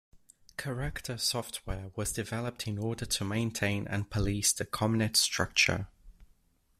Corrector software was developed in order to maintain and police the ComNet structure.